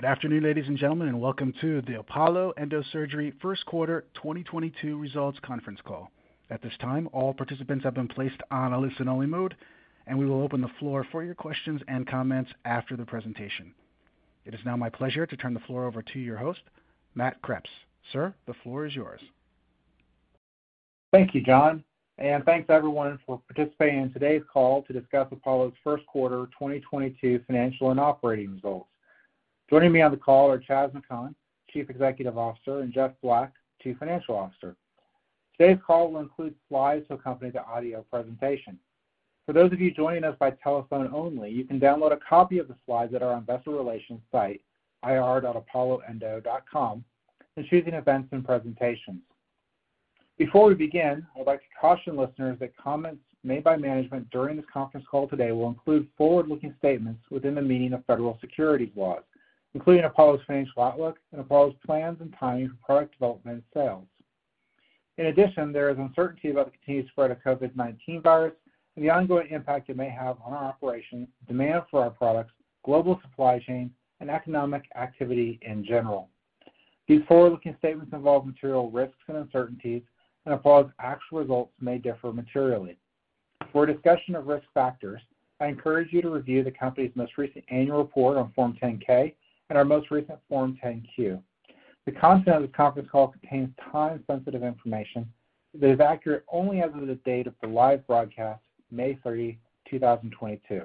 Good afternoon, ladies and gentlemen, and welcome to the Apollo Endosurgery first quarter 2022 results conference call. At this time, all participants have been placed on a listen-only mode, and we will open the floor for your questions-and-comments after the presentation. It is now my pleasure to turn the floor over to your host, Matt Kreps. Sir, the floor is yours. Thank you, John, and thanks everyone for participating in today's call to discuss Apollo's first quarter 2022 financial and operating results. Joining me on the call are Chas McKhann, Chief Executive Officer, and Jeff Black, Chief Financial Officer. Today's call will include slides to accompany the audio presentation. For those of you joining us by telephone only, you can download a copy of the slides that are on investor relations site, ir.apolloendo.com and choosing events and presentations. Before we begin, I would like to caution listeners that comments made by management during this conference call today will include forward-looking statements within the meaning of federal securities laws, including Apollo's financial outlook and Apollo's plans and timing for product development and sales. In addition, there is uncertainty about the continued spread of COVID-19 virus and the ongoing impact it may have on our operations, demand for our products, global supply chain, and economic activity in general. These forward-looking statements involve material risks and uncertainties, and Apollo's actual results may differ materially. For a discussion of risk factors, I encourage you to review the company's most recent annual report on Form 10-K and our most recent Form 10-Q. The content of this conference call contains time-sensitive information that is accurate only as of the date of the live broadcast, May 3, 2022.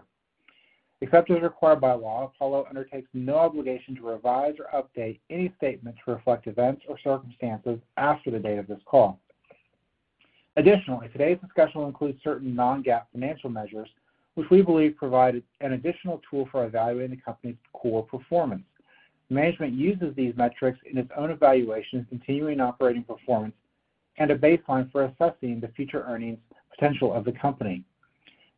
Except as required by law, Apollo undertakes no obligation to revise or update any statements to reflect events or circumstances after the date of this call. Additionally, today's discussion will include certain non-GAAP financial measures, which we believe provide an additional tool for evaluating the company's core performance. Management uses these metrics in its own evaluation of continuing operating performance and a baseline for assessing the future earnings potential of the company.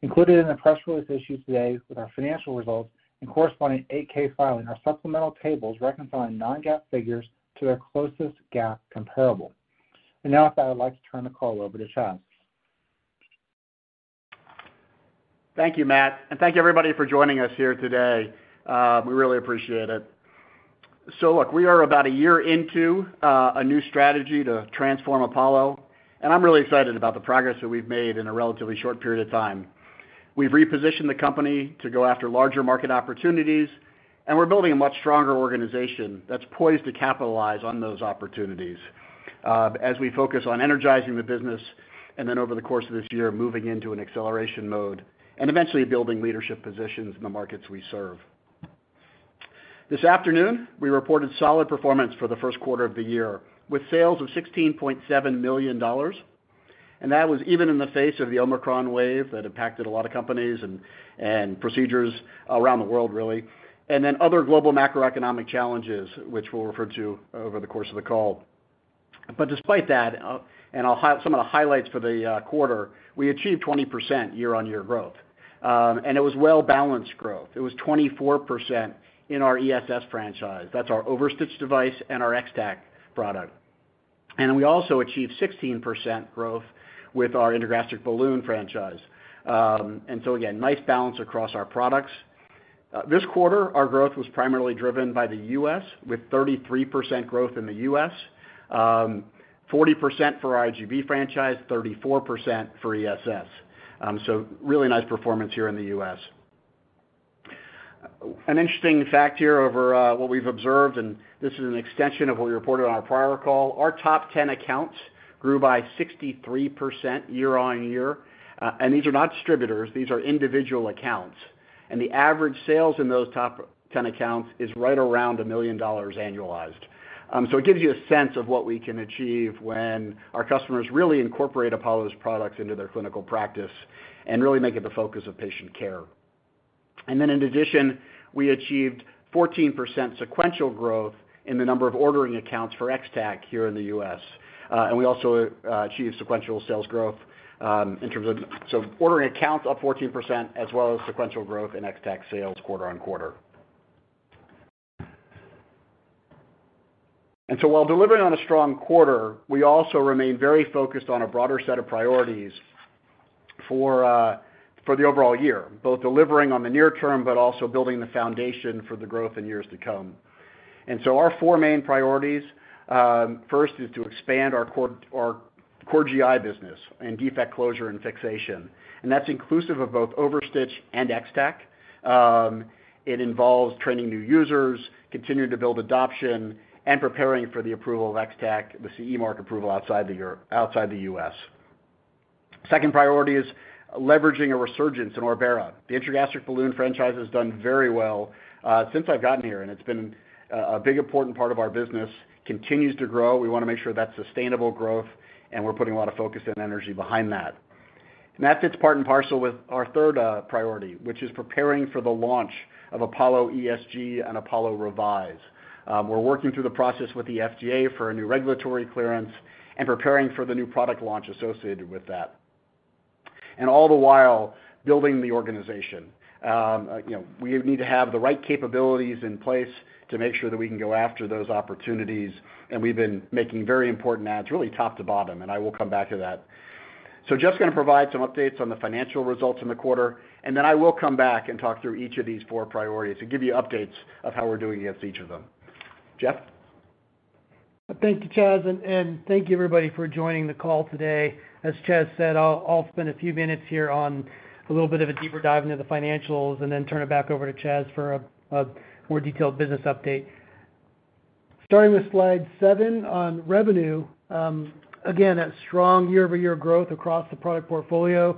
Included in the press release issued today with our financial results and corresponding Form 8-K filing are supplemental tables reconciling non-GAAP figures to their closest GAAP comparable. Now with that, I'd like to turn the call over to Chas. Thank you, Matt, and thank you everybody for joining us here today. We really appreciate it. Look, we are about a year into a new strategy to transform Apollo, and I'm really excited about the progress that we've made in a relatively short period of time. We've repositioned the company to go after larger market opportunities, and we're building a much stronger organization that's poised to capitalize on those opportunities, as we focus on energizing the business and then over the course of this year, moving into an acceleration mode and eventually building leadership positions in the markets we serve. This afternoon, we reported solid performance for the first quarter of the year with sales of $16.7 million. That was even in the face of the Omicron wave that impacted a lot of companies and procedures around the world, really. Other global macroeconomic challenges, which we'll refer to over the course of the call. Despite that, I'll highlight some of the highlights for the quarter, we achieved 20% year-on-year growth, and it was well-balanced growth. It was 24% in our ESS franchise. That's our OverStitch device and our X-Tack product. We also achieved 16% growth with our Intragastric Balloon franchise. Again, nice balance across our products. This quarter, our growth was primarily driven by the US, with 33% growth in the US, 40% for our IGB franchise, 34% for ESS. Really nice performance here in the US. An interesting fact here over what we've observed, and this is an extension of what we reported on our prior call. Our top ten accounts grew by 63% year-over-year, and these are not distributors, these are individual accounts. The average sales in those top ten accounts is right around $1 million annualized. It gives you a sense of what we can achieve when our customers really incorporate Apollo's products into their clinical practice and really make it the focus of patient care. In addition, we achieved 14% sequential growth in the number of ordering accounts for X-Tack here in the U.S. We also achieved sequential sales growth. Ordering accounts up 14% as well as sequential growth in X-Tack sales quarter-over-quarter. While delivering on a strong quarter, we also remain very focused on a broader set of priorities for the overall year, both delivering on the near term, but also building the foundation for the growth in years to come. Our four main priorities, first is to expand our core GI business in defect closure and fixation. That's inclusive of both OverStitch and X-Tack. It involves training new users, continuing to build adoption, and preparing for the approval of X-Tack, the CE mark approval outside the US. Second priority is leveraging a resurgence in ORBERA. The Intragastric Balloon franchise has done very well since I've gotten here, and it's been a big important part of our business. Continues to grow. We want to make sure that's sustainable growth, and we're putting a lot of focus and energy behind that. That fits part and parcel with our third priority, which is preparing for the launch of Apollo ESG and Apollo REVISE. We're working through the process with the FDA for a new regulatory clearance and preparing for the new product launch associated with that. All the while building the organization. You know, we need to have the right capabilities in place to make sure that we can go after those opportunities. We've been making very important adds really top to bottom, and I will come back to that. Jeff's gonna provide some updates on the financial results in the quarter, and then I will come back and talk through each of these four priorities and give you updates of how we're doing against each of them. Jeff? Thank you, Chas, and thank you everybody for joining the call today. As Chas said, I'll spend a few minutes here on a little bit of a deeper dive into the financials and then turn it back over to Chas for a more detailed business update. Starting with slide seven on revenue, again, a strong year-over-year growth across the product portfolio.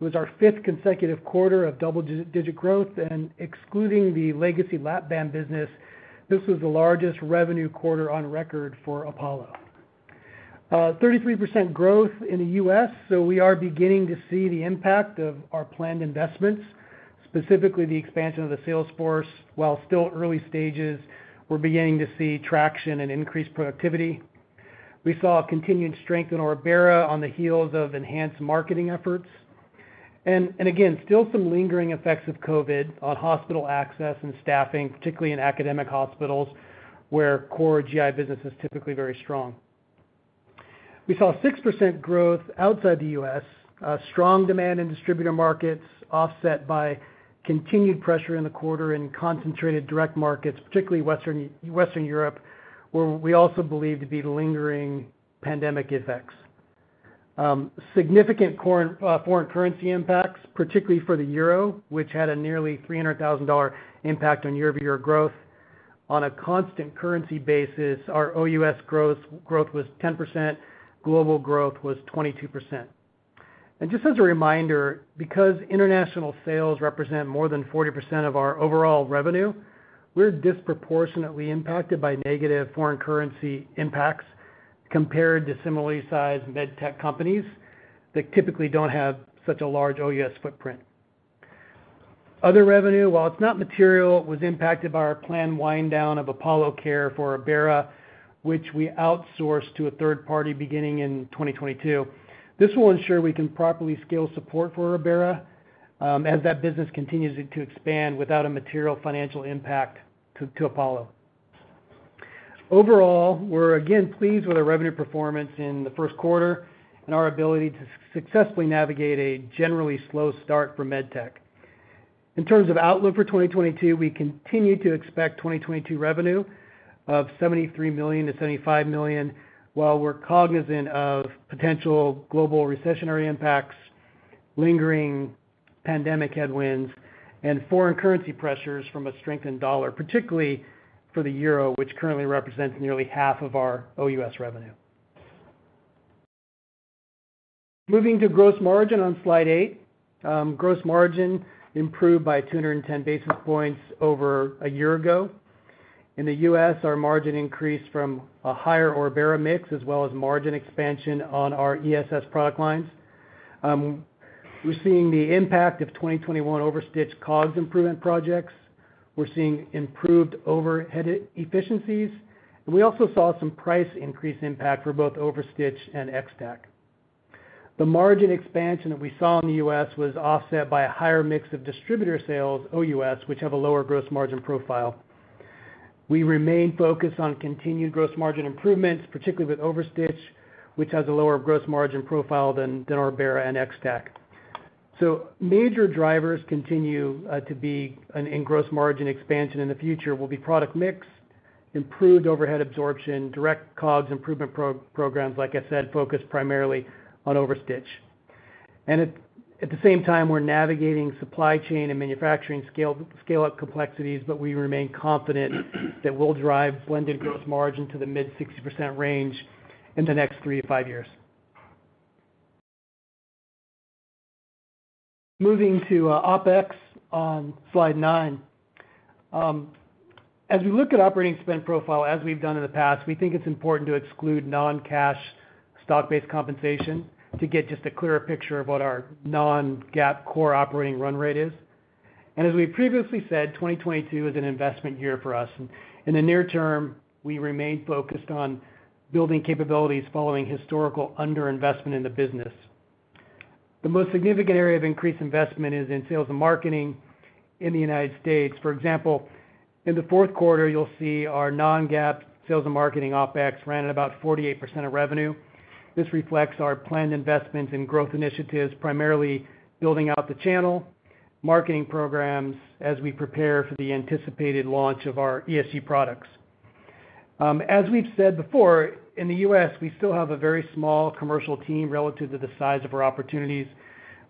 It was our fifth consecutive quarter of double-digit growth, and excluding the legacy Lap-Band business, this was the largest revenue quarter on record for Apollo. 33% growth in the U.S., so we are beginning to see the impact of our planned investments, specifically the expansion of the sales force. While still early stages, we're beginning to see traction and increased productivity. We saw a continued strength in ORBERA on the heels of enhanced marketing efforts. Again, still some lingering effects of COVID on hospital access and staffing, particularly in academic hospitals, where core GI business is typically very strong. We saw 6% growth outside the US. Strong demand in distributor markets offset by continued pressure in the quarter in concentrated direct markets, particularly Western Europe, where we also believe to be the lingering pandemic effects. Significant foreign currency impacts, particularly for the euro, which had a nearly $300,000 impact on year-over-year growth. On a constant currency basis, our OUS growth was 10%, global growth was 22%. Just as a reminder, because international sales represent more than 40% of our overall revenue, we're disproportionately impacted by negative foreign currency impacts compared to similarly sized med tech companies that typically don't have such a large OUS footprint. Other revenue, while it's not material, was impacted by our planned wind down of Apollo Care for ORBERA, which we outsourced to a third party beginning in 2022. This will ensure we can properly scale support for ORBERA, as that business continues to expand without a material financial impact to Apollo. Overall, we're again pleased with our revenue performance in the first quarter and our ability to successfully navigate a generally slow start for med tech. In terms of outlook for 2022, we continue to expect 2022 revenue of $73 million-$75 million, while we're cognizant of potential global recessionary impacts, lingering pandemic headwinds, and foreign currency pressures from a strengthened dollar, particularly for the euro, which currently represents nearly half of our OUS revenue. Moving to gross margin on slide eight. Gross margin improved by 210 basis points over a year ago. In the U.S., our margin increased from a higher ORBERA mix, as well as margin expansion on our ESG product lines. We're seeing the impact of 2021 OverStitch COGS improvement projects. We're seeing improved overhead efficiencies, and we also saw some price increase impact for both OverStitch and X-Tack. The margin expansion that we saw in the U.S. was offset by a higher mix of distributor sales, OUS, which have a lower gross margin profile. We remain focused on continued gross margin improvements, particularly with OverStitch, which has a lower gross margin profile than ORBERA and X-Tack. Major drivers continue to be and gross margin expansion in the future will be product mix, improved overhead absorption, direct COGS improvement programs, like I said, focused primarily on OverStitch. At the same time, we're navigating supply chain and manufacturing scale-up complexities, but we remain confident that we'll drive blended gross margin to the mid-60% range in the next three to five years. Moving to OpEx on slide nine. As we look at operating spend profile as we've done in the past, we think it's important to exclude non-cash stock-based compensation to get just a clearer picture of what our non-GAAP core operating run rate is. As we previously said, 2022 is an investment year for us. In the near term, we remain focused on building capabilities following historical underinvestment in the business. The most significant area of increased investment is in sales and marketing in the United States. For example, in the fourth quarter, you'll see our non-GAAP sales and marketing OpEx ran at about 48% of revenue. This reflects our planned investments in growth initiatives, primarily building out the channel, marketing programs as we prepare for the anticipated launch of our ESG products. As we've said before, in the U.S., we still have a very small commercial team relative to the size of our opportunities.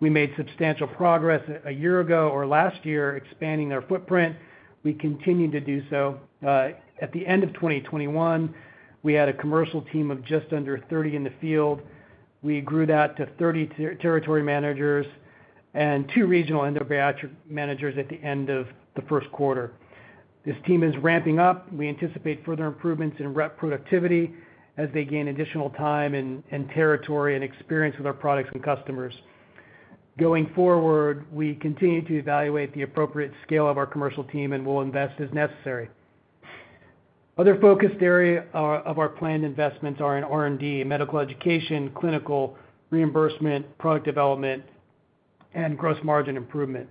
We made substantial progress a year ago or last year expanding our footprint. We continue to do so. At the end of 2021, we had a commercial team of just under 30 in the field. We grew that to 30 territory managers and two regional endobariatric managers at the end of the first quarter. This team is ramping up. We anticipate further improvements in rep productivity as they gain additional time and territory and experience with our products and customers. Going forward, we continue to evaluate the appropriate scale of our commercial team and will invest as necessary. Other focused areas of our planned investments are in R&D, medical education, clinical reimbursement, product development, and gross margin improvement.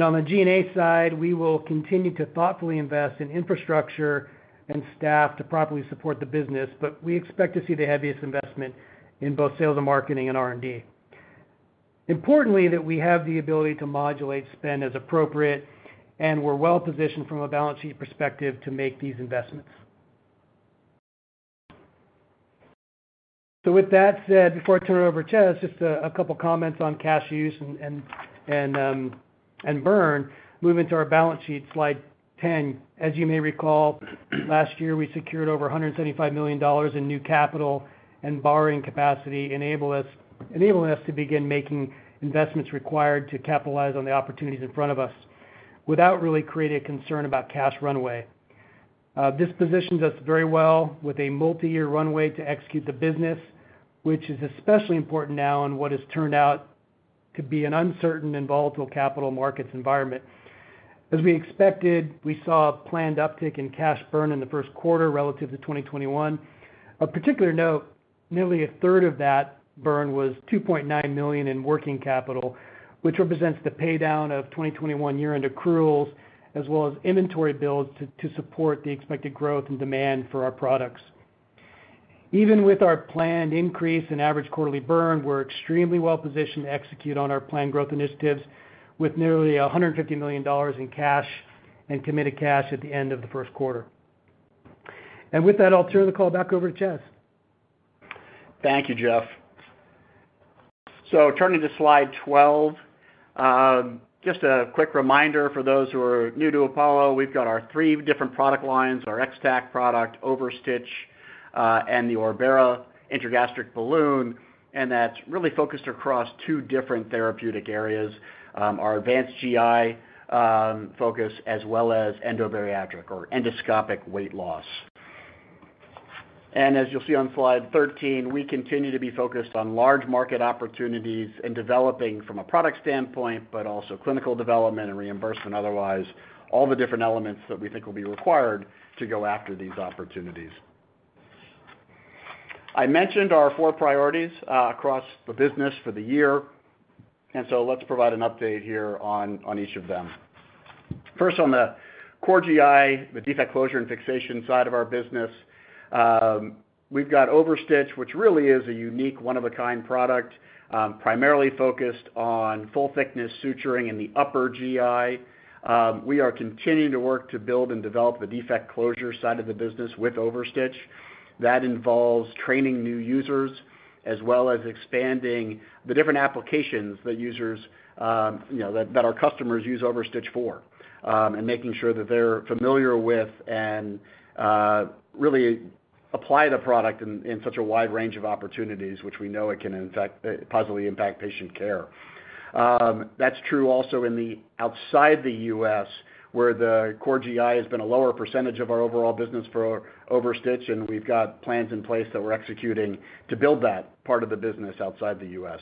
On the G&A side, we will continue to thoughtfully invest in infrastructure and staff to properly support the business, but we expect to see the heaviest investment in both sales and marketing and R&D. Importantly, that we have the ability to modulate spend as appropriate, and we're well-positioned from a balance sheet perspective to make these investments. With that said, before I turn it over to Chas, just a couple of comments on cash use and burn. Moving to our balance sheet, slide 10. As you may recall, last year, we secured over $175 million in new capital and borrowing capacity, enabling us to begin making investments required to capitalize on the opportunities in front of us without really creating a concern about cash runway. This positions us very well with a multi-year runway to execute the business, which is especially important now on what has turned out to be an uncertain and volatile capital markets environment. As we expected, we saw a planned uptick in cash burn in the first quarter relative to 2021. Of particular note, nearly a third of that burn was $2.9 million in working capital, which represents the paydown of 2021 year-end accruals, as well as inventory builds to support the expected growth and demand for our products. Even with our planned increase in average quarterly burn, we're extremely well-positioned to execute on our planned growth initiatives with nearly $150 million in cash and committed cash at the end of the first quarter. With that, I'll turn the call back over to Chas. Thank you, Jeff. Turning to slide 12, just a quick reminder for those who are new to Apollo. We've got our three different product lines, our X-Tack product, OverStitch, and the ORBERA Intragastric Balloon, and that's really focused across two different therapeutic areas, our Advanced GI focus, as well as endobariatric or endoscopic weight loss. As you'll see on slide 13, we continue to be focused on large market opportunities and developing from a product standpoint, but also clinical development and reimbursement, otherwise, all the different elements that we think will be required to go after these opportunities. I mentioned our four priorities across the business for the year, and let's provide an update here on each of them. First, on the core GI, the defect closure, and fixation side of our business. We've got OverStitch, which really is a unique one-of-a-kind product, primarily focused on full-thickness suturing in the upper GI. We are continuing to work to build and develop the defect closure side of the business with OverStitch. That involves training new users, as well as expanding the different applications that users, you know, that our customers use OverStitch for, and making sure that they're familiar with and really apply the product in such a wide range of opportunities, which we know it can in fact positively impact patient care. That's true also outside the U.S., where the core GI has been a lower percentage of our overall business for OverStitch, and we've got plans in place that we're executing to build that part of the business outside the U.S.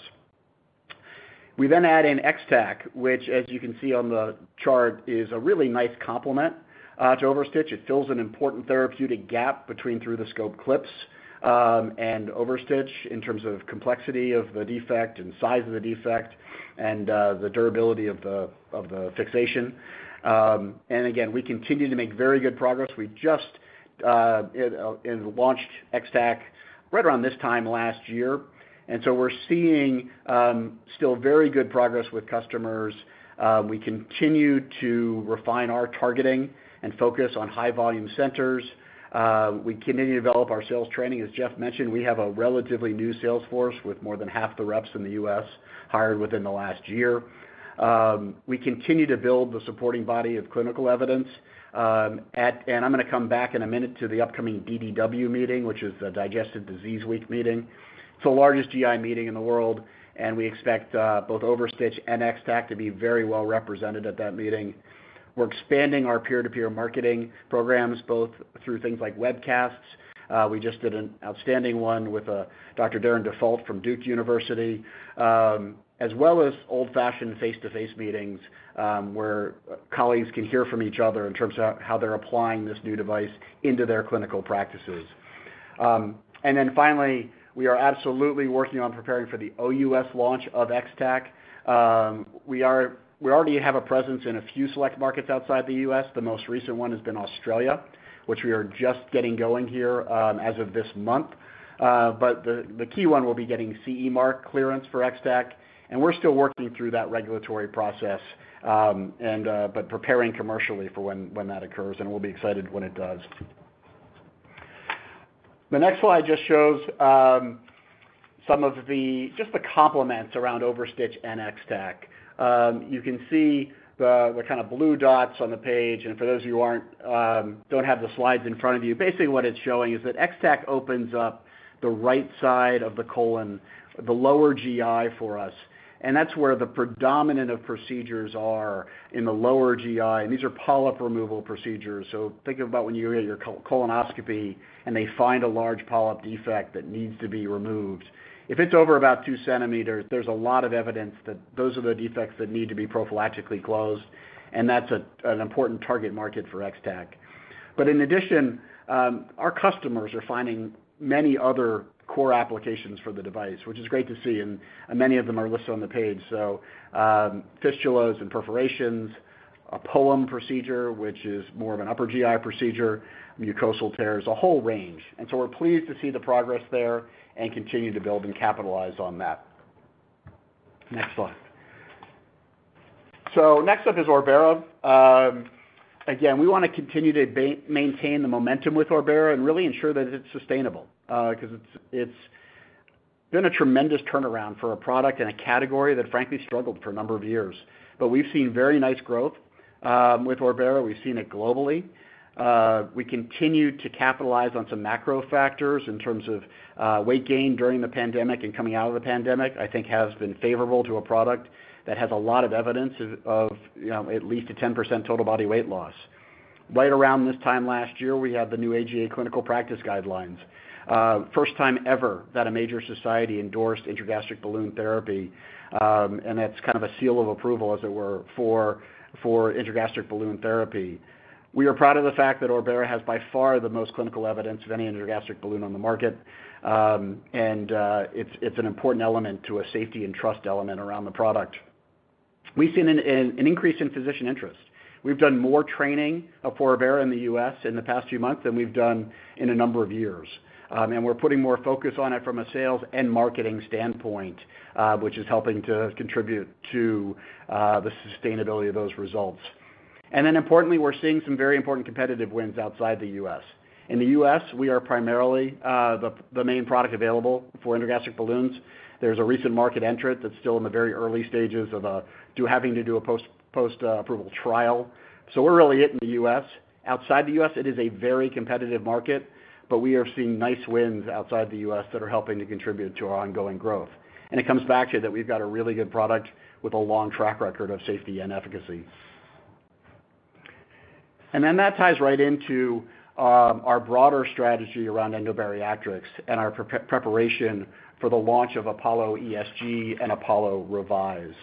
We add in X-Tack, which, as you can see on the chart, is a really nice complement to OverStitch. It fills an important therapeutic gap between through the scope clips and OverStitch in terms of complexity of the defect and size of the defect and the durability of the fixation. Again, we continue to make very good progress. We just launched X-Tack right around this time last year. We're seeing still very good progress with customers. We continue to refine our targeting and focus on high volume centers. We continue to develop our sales training. As Jeff mentioned, we have a relatively new sales force with more than half the reps in the U.S. hired within the last year. We continue to build the supporting body of clinical evidence. I'm gonna come back in a minute to the upcoming DDW meeting, which is the Digestive Disease Week meeting. It's the largest GI meeting in the world, and we expect both OverStitch and X-Tack to be very well-represented at that meeting. We're expanding our peer-to-peer marketing programs, both through things like webcasts. We just did an outstanding one with Dr. Darin Dufault from Duke University, as well as old-fashioned face-to-face meetings, where colleagues can hear from each other in terms of how they're applying this new device into their clinical practices. Finally, we are absolutely working on preparing for the OUS launch of X-Tack. We already have a presence in a few select markets outside the U.S. The most recent one has been Australia, which we are just getting going here, as of this month. But the key one will be getting CE mark clearance for X-Tack, and we're still working through that regulatory process, and but preparing commercially for when that occurs, and we'll be excited when it does. The next slide just shows some of the just the complements around OverStitch and X-Tack. You can see the kind of blue dots on the page. For those of you who aren't, don't have the slides in front of you, basically what it's showing is that X-Tack opens up the right side of the colon, the lower GI for us, and that's where the predominant of procedures are in the lower GI. These are polyp removal procedures. Think about when you're at your colonoscopy and they find a large polyp defect that needs to be removed. If it's over about 2 centimeters, there's a lot of evidence that those are the defects that need to be prophylactically closed. That's an important target market for X-Tack. But in addition, our customers are finding many other core applications for the device, which is great to see, and many of them are listed on the page. Fistulas and perforations, a POEM procedure, which is more of an upper GI procedure, mucosal tears, a whole range. We're pleased to see the progress there and continue to build and capitalize on that. Next slide. Next up is ORBERA. Again, we want to continue to maintain the momentum with ORBERA and really ensure that it's sustainable, 'cause it's been a tremendous turnaround for a product and a category that frankly struggled for a number of years. We've seen very nice growth with ORBERA. We've seen it globally. We continue to capitalize on some macro factors in terms of weight gain during the pandemic and coming out of the pandemic, I think has been favorable to a product that has a lot of evidence of you know, at least a 10% total body weight loss. Right around this time last year, we had the new AGA clinical practice guidelines. First time ever that a major society endorsed Intragastric Balloon therapy, and that's kind of a seal of approval, as it were, for Intragastric Balloon therapy. We are proud of the fact that ORBERA has by far the most clinical evidence of any Intragastric Balloon on the market, and it's an important element to a safety and trust element around the product. We've seen an increase in physician interest. We've done more training for ORBERA in the U.S. in the past few months than we've done in a number of years. We're putting more focus on it from a sales and marketing standpoint, which is helping to contribute to the sustainability of those results. Importantly, we're seeing some very important competitive wins outside the U.S. In the U.S., we are primarily the main product available for Intragastric Balloons. There's a recent market entrant that's still in the very early stages of to having to do a post approval trial. We're really hitting the U.S. Outside the U.S., it is a very competitive market, but we are seeing nice wins outside the U.S. that are helping to contribute to our ongoing growth. It comes back to that we've got a really good product with a long track record of safety and efficacy. That ties right into our broader strategy around Endo Bariatrics and our preparation for the launch of Apollo ESG and Apollo REVISE.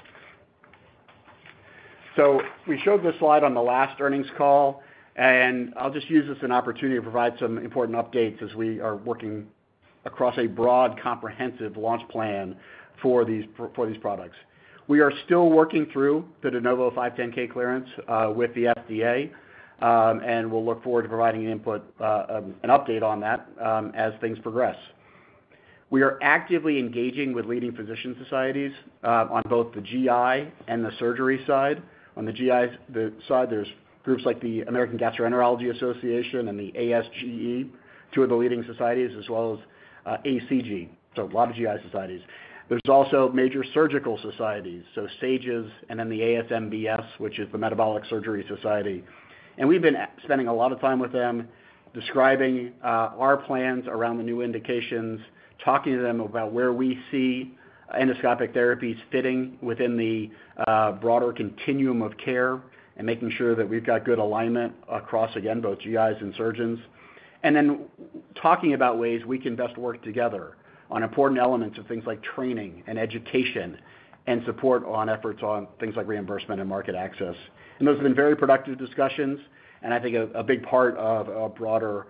We showed this slide on the last earnings call, and I'll just use this as an opportunity to provide some important updates as we are working across a broad, comprehensive launch plan for these products. We are still working through the De Novo 510(k) clearance with the FDA, and we'll look forward to providing an update on that as things progress. We are actively engaging with leading physician societies on both the GI and the surgery side. On the GI side, there are groups like the American Gastroenterological Association and the ASGE, two of the leading societies, as well as ACG, so a lot of GI societies. There are also major surgical societies, so SAGES and then the ASMBS, which is the American Society for Metabolic and Bariatric Surgery. We've been spending a lot of time with them describing our plans around the new indications, talking to them about where we see endoscopic therapies fitting within the broader continuum of care and making sure that we've got good alignment across, again, both GIs and surgeons. Talking about ways we can best work together on important elements of things like training and education and support on efforts on things like reimbursement and market access. Those have been very productive discussions and I think a big part of a broader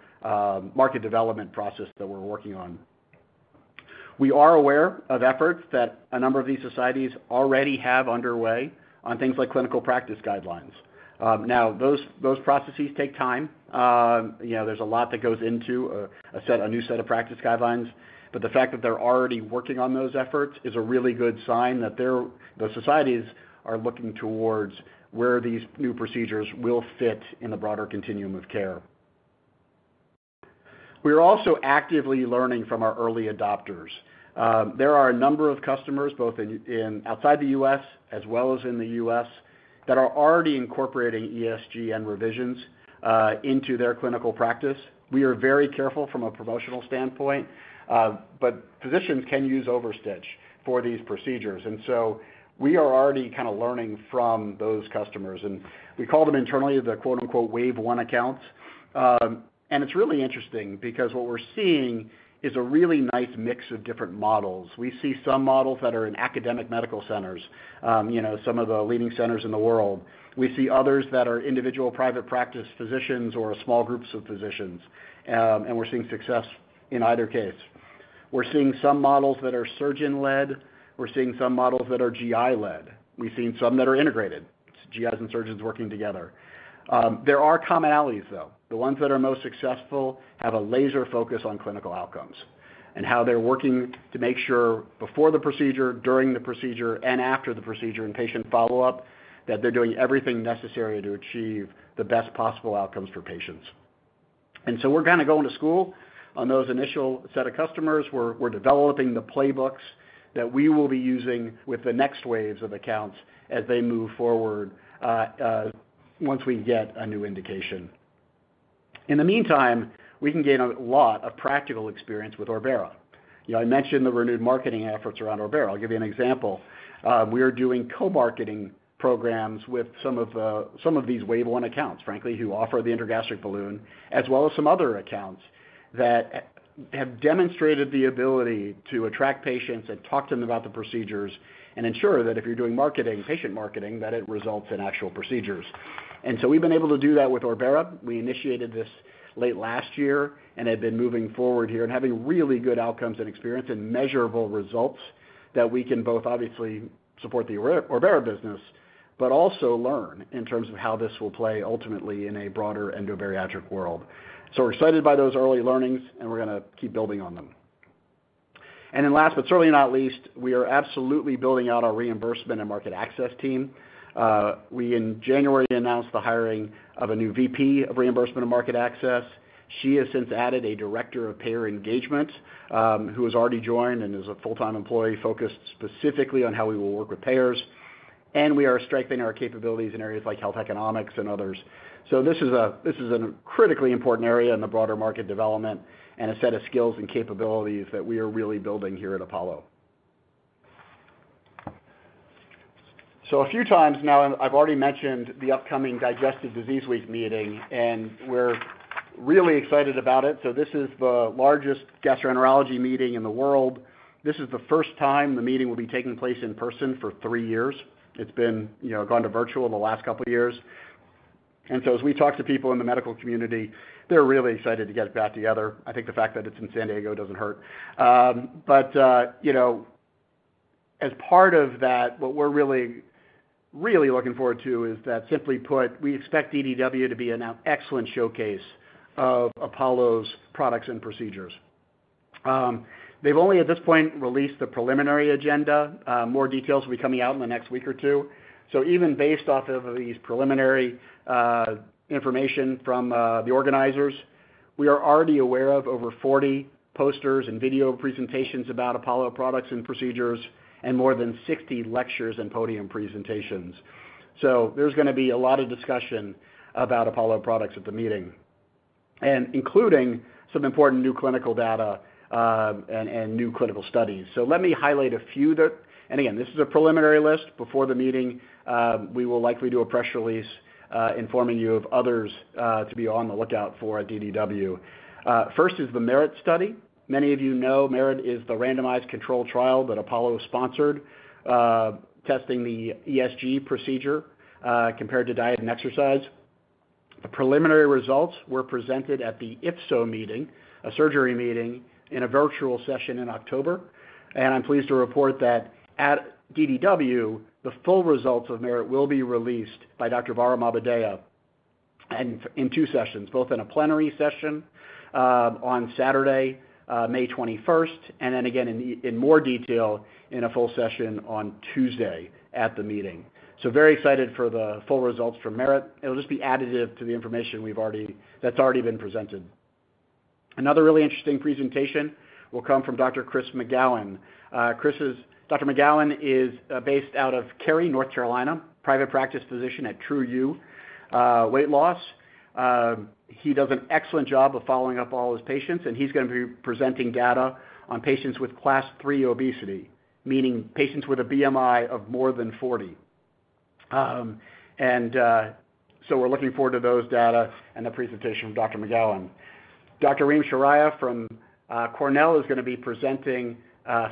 market development process that we're working on. We are aware of efforts that a number of these societies already have underway on things like clinical practice guidelines. Now, those processes take time. You know, there's a lot that goes into a new set of practice guidelines. The fact that they're already working on those efforts is a really good sign that those societies are looking towards where these new procedures will fit in the broader continuum of care. We are also actively learning from our early adopters. There are a number of customers, both outside the U.S. as well as in the U.S., that are already incorporating ESG and revisions into their clinical practice. We are very careful from a promotional standpoint, but physicians can use OverStitch for these procedures. We are already kinda learning from those customers. We call them internally the quote, unquote, "Wave 1 accounts." It's really interesting because what we're seeing is a really nice mix of different models. We see some models that are in academic medical centers, some of the leading centers in the world. We see others that are individual private practice physicians or small groups of physicians, and we're seeing success in either case. We're seeing some models that are surgeon-led. We're seeing some models that are GI-led. We've seen some that are integrated, GIs and surgeons working together. There are commonalities, though. The ones that are most successful have a laser focus on clinical outcomes and how they're working to make sure before the procedure, during the procedure, and after the procedure in patient follow-up, that they're doing everything necessary to achieve the best possible outcomes for patients. We're kinda going to school on those initial set of customers. We're developing the playbooks that we will be using with the next waves of accounts as they move forward, once we get a new indication. In the meantime, we can gain a lot of practical experience with ORBERA. You know, I mentioned the renewed marketing efforts around ORBERA. I'll give you an example. We are doing co-marketing programs with some of some of these Wave 1 accounts, frankly, who offer the Intragastric Balloon, as well as some other accounts that have demonstrated the ability to attract patients and talk to them about the procedures and ensure that if you're doing marketing, patient marketing, that it results in actual procedures. We've been able to do that with ORBERA. We initiated this late last year and have been moving forward here and having really good outcomes and experience and measurable results that we can both obviously support the ORBERA business, but also learn in terms of how this will play ultimately in a broader endobariatric world. We're excited by those early learnings, and we're gonna keep building on them. Last but certainly not least, we are absolutely building out our reimbursement and market access team. We in January announced the hiring of a new VP of Reimbursement and Market access. She has since added a Director of Payer Engagement, who has already joined and is a full-time employee focused specifically on how we will work with payers. We are strengthening our capabilities in areas like health economics and others. This is a critically important area in the broader market development and a set of skills and capabilities that we are really building here at Apollo. A few times now, and I've already mentioned the upcoming Digestive Disease Week meeting, and we're really excited about it. This is the largest gastroenterology meeting in the world. This is the first time the meeting will be taking place in person for three years. It's been, you know, gone to virtual the last couple of years. As we talk to people in the medical community, they're really excited to get back together. I think the fact that it's in San Diego doesn't hurt. You know, as part of that, what we're really, really looking forward to is that simply put, we expect DDW to be an excellent showcase of Apollo's products and procedures. They've only at this point released the preliminary agenda. More details will be coming out in the next week or two. Even based off of these preliminary information from the organizers, we are already aware of over 40 posters and video presentations about Apollo products and procedures and more than 60 lectures and podium presentations. There's gonna be a lot of discussion about Apollo products at the meeting, and including some important new clinical data, and new clinical studies. Let me highlight a few that and again, this is a preliminary list. Before the meeting, we will likely do a press release, informing you of others, to be on the lookout for at DDW. First is the MERIT study. Many of you know MERIT is the randomized control trial that Apollo sponsored, testing the ESG procedure, compared to diet and exercise. The preliminary results were presented at the IFSO meeting, a surgery meeting in a virtual session in October. I'm pleased to report that at DDW, the full results of MERIT will be released by Dr. Barham Abu Dayyeh in two sessions, both in a plenary session, on Saturday, May 21, and then again in more detail in a full session on Tuesday at the meeting. Very excited for the full results from MERIT. It'll just be additive to the information that's already been presented. Another really interesting presentation will come from Dr. Chris McGowan. Dr. McGowan is based out of Cary, North Carolina, private practice physician at True You Weight Loss. He does an excellent job of following up all his patients, and he's gonna be presenting data on patients with class three obesity, meaning patients with a BMI of more than 40. We're looking forward to those data and the presentation from Dr. McGowan. Dr. Reem Sharaiha from Cornell is gonna be presenting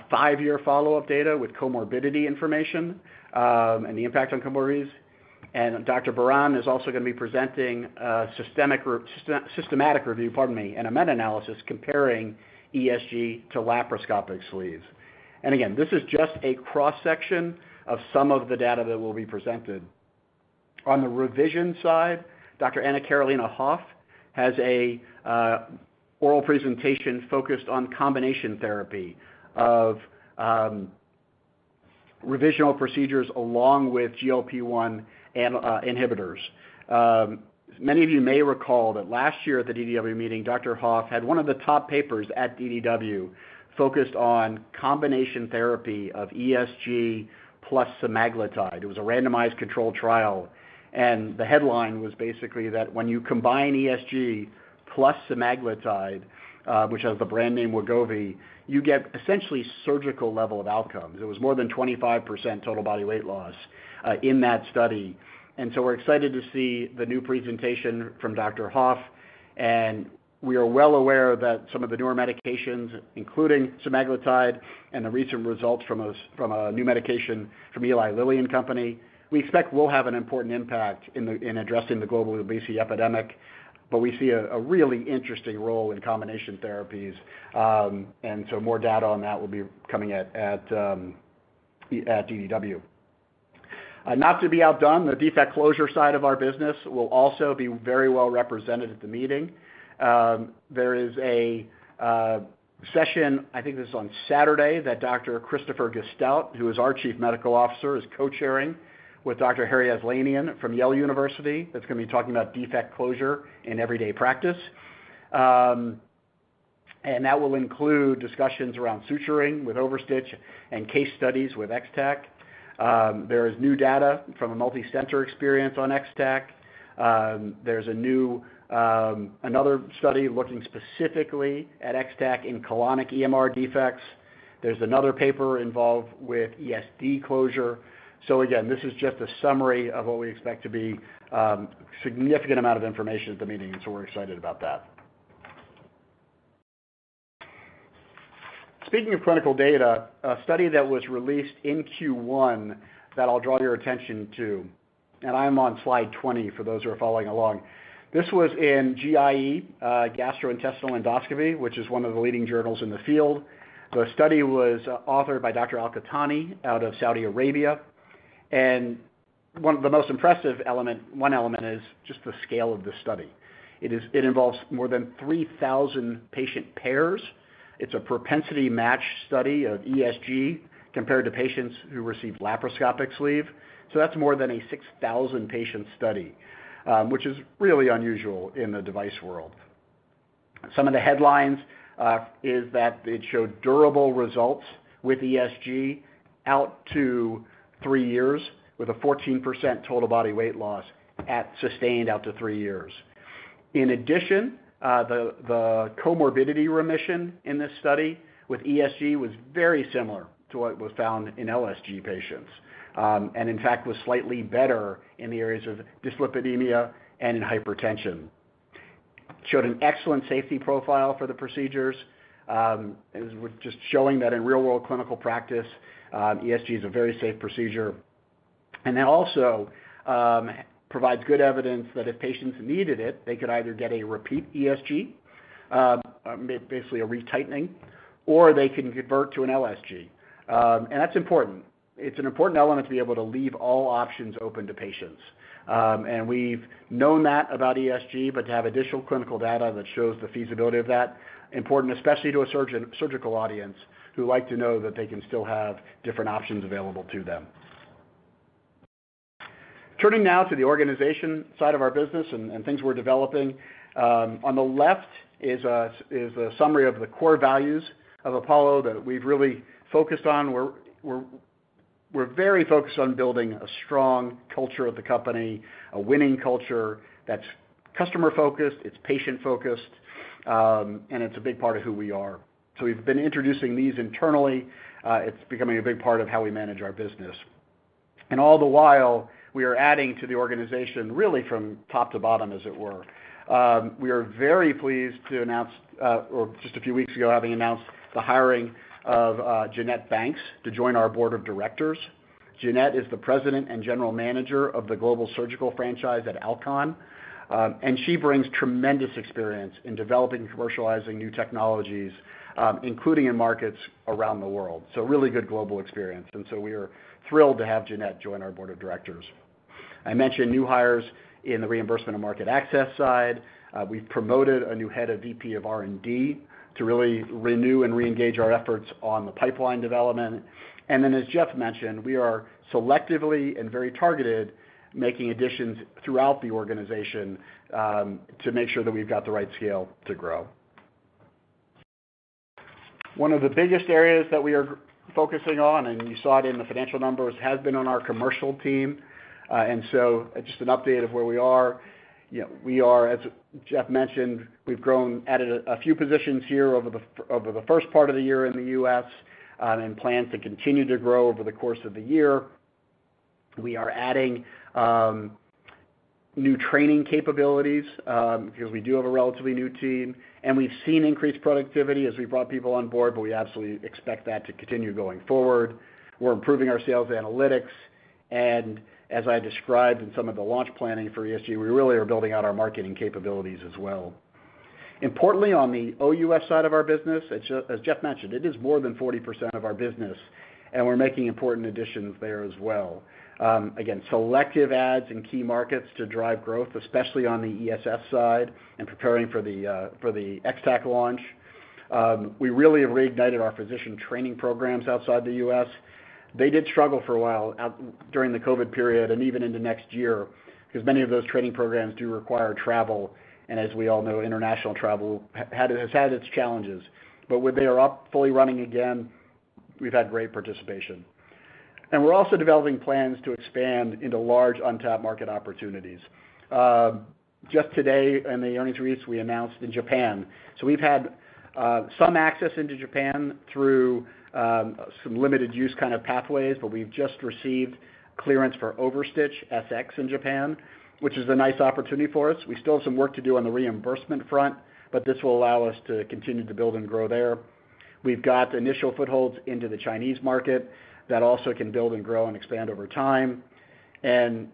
five-year follow-up data with comorbidity information and the impact on comorbidities. Dr. Barham Abu Dayyeh is also gonna be presenting a systematic review, pardon me, and a meta-analysis comparing ESG to laparoscopic sleeves. Again, this is just a cross-section of some of the data that will be presented. On the revision side, Dr. Ana Carolina Hoff has an oral presentation focused on combination therapy of revisional procedures along with GLP-1 inhibitors. Many of you may recall that last year at the DDW meeting, Dr. Hoff had one of the top papers at DDW focused on combination therapy of ESG plus semaglutide. It was a randomized controlled trial, and the headline was basically that when you combine ESG plus semaglutide, which has the brand name Wegovy, you get essentially surgical level of outcomes. It was more than 25% total body weight loss in that study. We're excited to see the new presentation from Dr. Hoff, we are well aware that some of the newer medications, including semaglutide and the recent results from a new medication from Eli Lilly and Company, we expect will have an important impact in addressing the global obesity epidemic. We see a really interesting role in combination therapies, and so more data on that will be coming at DDW. Not to be outdone, the defect closure side of our business will also be very well represented at the meeting. There is a session, I think this is on Saturday, that Dr. Christopher Gostout, who is our Chief Medical Officer, is co-chairing with Dr. Harry Aslanian from Yale University, that's gonna be talking about defect closure in everyday practice. That will include discussions around suturing with OverStitch and case studies with X-Tack. There is new data from a multi-center experience on X-Tack. There's a new another study looking specifically at X-Tack in colonic EMR defects. There's another paper involved with ESD closure. Again, this is just a summary of what we expect to be significant amount of information at the meeting, and we're excited about that. Speaking of clinical data, a study that was released in Q1 that I'll draw your attention to, and I'm on slide 20 for those who are following along. This was in GIE, Gastrointestinal Endoscopy, which is one of the leading journals in the field. The study was authored by Dr. Alqahtani out of Saudi Arabia. One of the most impressive one element is just the scale of the study. It involves more than 3,000 patient pairs. It's a propensity match study of ESG compared to patients who received laparoscopic sleeve. That's more than a 6,000 patient study, which is really unusual in the device world. Some of the headlines is that it showed durable results with ESG out to three years with a 14% total body weight loss at sustained out to three years. In addition, the comorbidity remission in this study with ESG was very similar to what was found in LSG patients. And in fact, was slightly better in the areas of dyslipidemia and in hypertension. Showed an excellent safety profile for the procedures, as we're just showing that in real-world clinical practice, ESG is a very safe procedure. Then also provides good evidence that if patients needed it, they could either get a repeat ESG, basically a retightening, or they can convert to an LSG. That's important. It's an important element to be able to leave all options open to patients. We've known that about ESG, but to have additional clinical data that shows the feasibility of that important, especially to a surgical audience who like to know that they can still have different options available to them. Turning now to the organization side of our business and things we're developing. On the left is a summary of the core values of Apollo that we've really focused on. We're very focused on building a strong culture of the company, a winning culture that's customer-focused, it's patient-focused, and it's a big part of who we are. We've been introducing these internally. It's becoming a big part of how we manage our business. All the while, we are adding to the organization really from top to bottom, as it were. We are very pleased to announce, or just a few weeks ago, having announced the hiring of Jeanette Bankes to join our Board of Directors. Jeanette is the President and General Manager of the Global Surgical franchise at Alcon. She brings tremendous experience in developing and commercializing new technologies, including in markets around the world. Really good global experience. We are thrilled to have Jeanette join our Board of Directors. I mentioned new hires in the reimbursement and market access side. We've promoted a new head of VP of R&D to really renew and reengage our efforts on the pipeline development. As Jeff mentioned, we are selectively and very targeted, making additions throughout the organization, to make sure that we've got the right scale to grow. One of the biggest areas that we are focusing on, and you saw it in the financial numbers, has been on our commercial team. Just an update of where we are. You know, we are as Jeff mentioned, we've grown, added a few positions here over the first part of the year in the U.S., and plan to continue to grow over the course of the year. We are adding new training capabilities because we do have a relatively new team, and we've seen increased productivity as we brought people on board, but we absolutely expect that to continue going forward. We're improving our sales analytics. As I described in some of the launch planning for ESG, we really are building out our marketing capabilities as well. Importantly, on the OUS side of our business, as Jeff mentioned, it is more than 40% of our business, and we're making important additions there as well. Again, selective adds in key markets to drive growth, especially on the ESS side and preparing for the X-Tack launch. We really have reignited our physician training programs outside the U.S. They did struggle for a while during the COVID period and even in the next year because many of those training programs do require travel. As we all know, international travel has had its challenges. When they are up fully running again, we've had great participation. We're also developing plans to expand into large untapped market opportunities. Just today in the earnings release, we announced in Japan. We've had some access into Japan through some limited use kind of pathways, but we've just received clearance for OverStitch SX in Japan, which is a nice opportunity for us. We still have some work to do on the reimbursement front, but this will allow us to continue to build and grow there. We've got initial footholds into the Chinese market that also can build and grow and expand over time.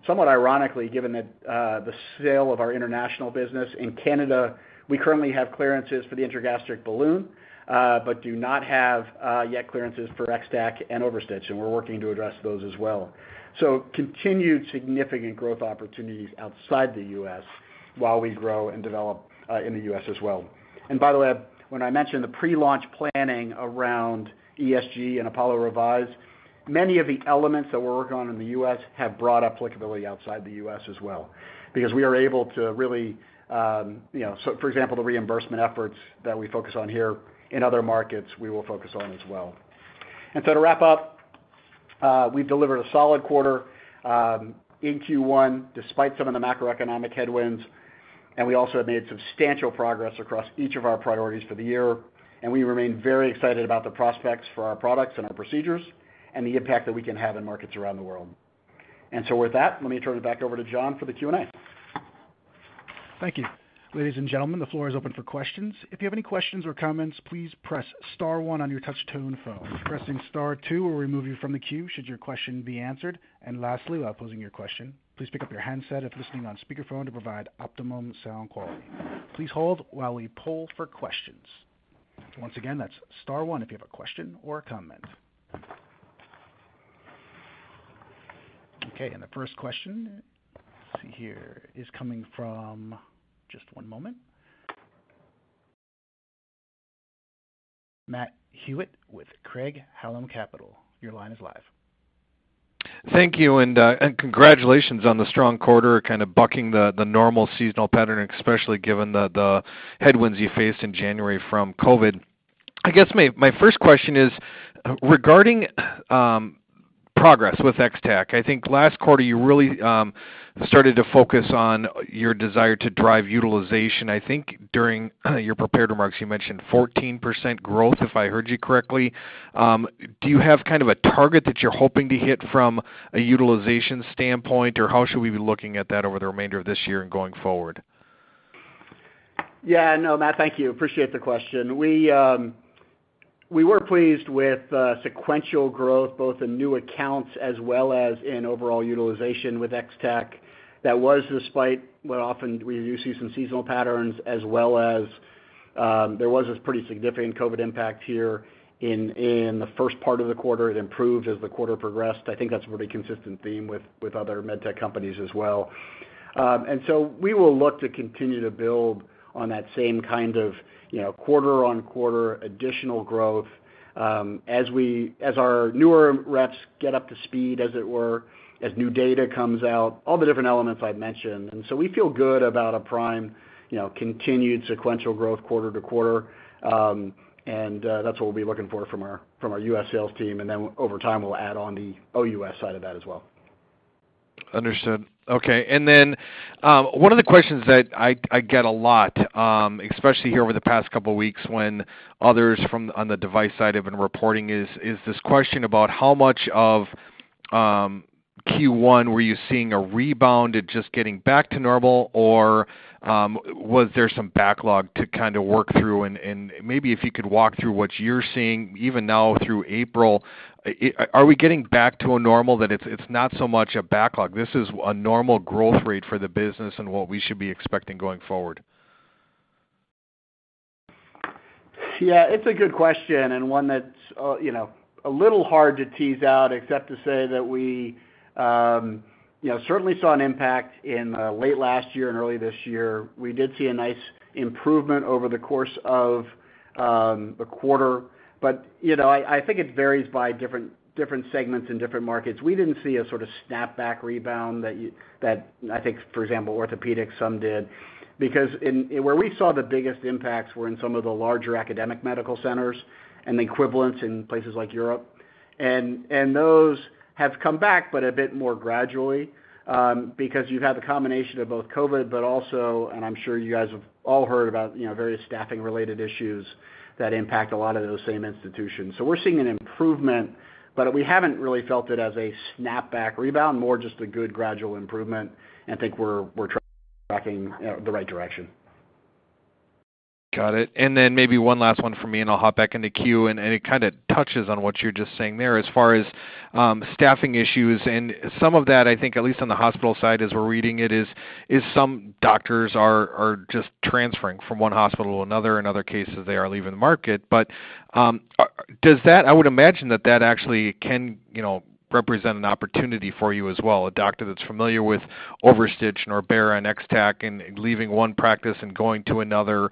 Somewhat ironically, given that, the sale of our international business in Canada, we currently have clearances for the Intragastric Balloon, but do not have yet clearances for X-Tack and OverStitch, and we're working to address those as well. Continued significant growth opportunities outside the U.S. while we grow and develop in the U.S. as well. By the way, when I mention the pre-launch planning around ESG and Apollo REVISE, many of the elements that we're working on in the US have broad applicability outside the U.S. as well because we are able to really, you know, for example, the reimbursement efforts that we focus on here in other markets, we will focus on as well. To wrap up, we've delivered a solid quarter in Q1 despite some of the macroeconomic headwinds, and we also have made substantial progress across each of our priorities for the year. We remain very excited about the prospects for our products and our procedures and the impact that we can have in markets around the world. With that, let me turn it back over to John for the Q&A. Thank you. Ladies and gentlemen, the floor is open for questions. If you have any questions or comments, please press star one on your touch-tone phone. Pressing star two will remove you from the queue should your question be answered. Lastly, while posing your question, please pick up your handset if listening on speakerphone to provide optimum sound quality. Please hold while we poll for questions. Once again, that's star one if you have a question or a comment. Okay, the first question, let's see here, is coming from. Just one moment. Matt Hewitt with Craig-Hallum Capital Group, your line is live. Thank you, and congratulations on the strong quarter, kind of bucking the normal seasonal pattern, especially given the headwinds you faced in January from COVID. I guess my first question is regarding progress with X-Tack. I think last quarter you really started to focus on your desire to drive utilization. I think during your prepared remarks, you mentioned 14% growth, if I heard you correctly. Do you have kind of a target that you're hoping to hit from a utilization standpoint, or how should we be looking at that over the remainder of this year and going forward? Yeah, no, Matt, thank you. Appreciate the question. We were pleased with sequential growth both in new accounts as well as in overall utilization with X-Tack. That was despite what often we do see some seasonal patterns, as well as, there was this pretty significant COVID-19 impact here in the first part of the quarter. It improved as the quarter progressed. I think that's a really consistent theme with other med tech companies as well. We will look to continue to build on that same kind of, you know, quarter-on-quarter additional growth, as our newer reps get up to speed, as it were, as new data comes out, all the different elements I've mentioned. We feel good about a prime, you know, continued sequential growth quarter to quarter, and that's what we'll be looking for from our U.S. sales team. Over time, we'll add on the OUS side of that as well. Understood. Okay. One of the questions that I get a lot, especially here over the past couple weeks when others from on the device side have been reporting is this question about how much of Q1 were you seeing a rebound at just getting back to normal or was there some backlog to kind of work through? Maybe if you could walk through what you're seeing even now through April. Are we getting back to a normal that it's not so much a backlog, this is a normal growth rate for the business and what we should be expecting going forward? Yeah, it's a good question and one that's, you know, a little hard to tease out except to say that we, you know, certainly saw an impact in, late last year and early this year. We did see a nice improvement over the course of, the quarter. You know, I think it varies by different segments and different markets. We didn't see a sort of snapback rebound that I think, for example, orthopedics, some did. Because where we saw the biggest impacts were in some of the larger academic medical centers and the equivalents in places like Europe. Those have come back, but a bit more gradually, because you've had the combination of both COVID, but also, and I'm sure you guys have all heard about, you know, various staffing related issues that impact a lot of those same institutions. We're seeing an improvement, but we haven't really felt it as a snapback rebound, more just a good gradual improvement, and think we're tracking the right direction. Got it. Then maybe one last one for me, and I'll hop back in the queue, and it kind of touches on what you're just saying there as far as staffing issues. Some of that, I think at least on the hospital side as we're reading it, is some doctors are just transferring from one hospital to another. In other cases, they are leaving the market. I would imagine that that actually can, you know, represent an opportunity for you as well. A doctor that's familiar with OverStitch and ORBERA and X-Tack and leaving one practice and going to another,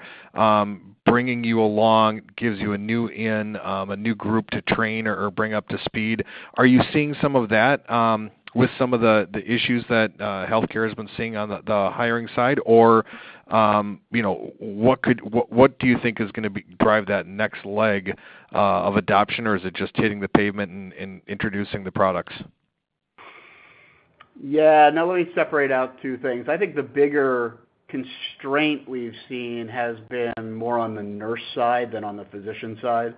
bringing you along, gives you a new in, a new group to train or bring up to speed. Are you seeing some of that with some of the issues that healthcare has been seeing on the hiring side? Or you know, what do you think is gonna drive that next leg of adoption, or is it just hitting the pavement and introducing the products? Yeah. Now let me separate out two things. I think the bigger constraint we've seen has been more on the nurse side than on the physician side.